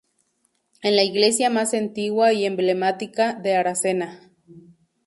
Es la iglesia más antigua y emblemática de Aracena.